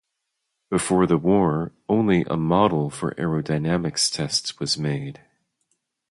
Before the war, only a model for aerodynamics tests was made.